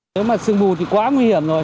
nếu mà sương mù thì quá nguy hiểm rồi